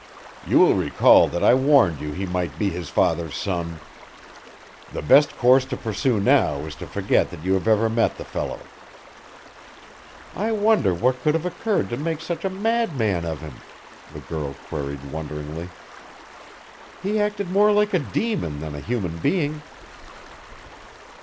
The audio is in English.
You will recall that I warned you he might be his father's son. The best course to pursue now is to forget that you have ever met the fellow." "I wonder what could have occurred to make such a madman of him?" the girl queried wonderingly. "He acted more like a demon than a human being."